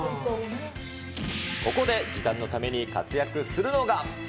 ここで時短のために活躍するのが。